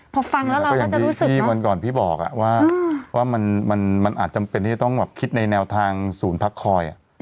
พอฟังแล้วก็อย่างที่วันก่อนพี่บอกว่ามันอาจจำเป็นที่จะต้องคิดในแนวทางศูนย์พักคอย